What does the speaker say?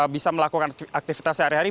bisa melakukan aktivitas sehari hari